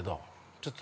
ちょっと。